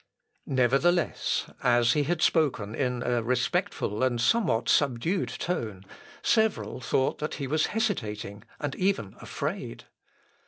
Nevertheless, as he had spoken in a respectful and somewhat subdued tone, several thought he was hesitating and even afraid.